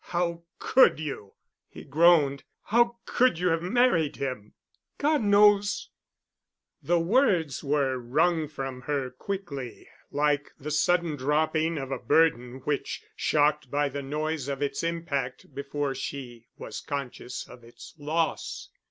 "How could you?" he groaned. "How could you have married him?" "God knows!" The words were wrung from her quickly, like the sudden dropping of a burden which shocked by the noise of its impact before she was conscious of its loss.